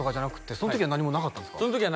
その時は何もなかったですね